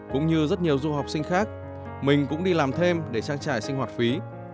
cũng như rất nhiều du học sinh khác mình cũng đi làm thêm để trang trải sinh hoạt phí